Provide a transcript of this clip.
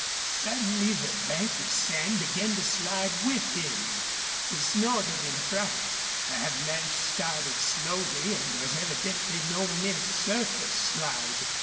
Suddenly the bank of sand began to slide with him. He snorted in fright. The avalanche started slowly and was evidently no mere surface slide.